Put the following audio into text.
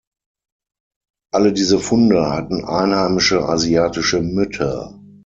Alle diese Funde hatten einheimische asiatische Mütter.